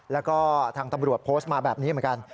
แล้วก็ทางตำรวจโพสต์มาแบบนี้เหมือนกัน